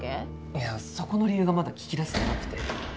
いやそこの理由がまだ聞き出せてなくて。